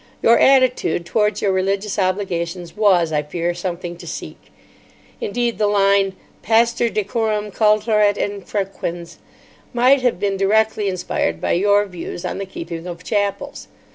Your attitude towards your religious obligations was, I fear, something to seek. Indeed, the line, "Pastor deorum cultor et infrequens," might have been directly inspired by your views on the keeping of Chapels.